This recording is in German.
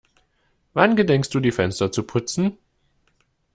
Wann gedenkst du die Fenster zu putzen?